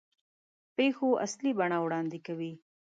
پېښو اصلي بڼه وړاندې کوي.